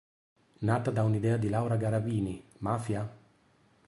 Nata da un'idea di Laura Garavini, "Mafia?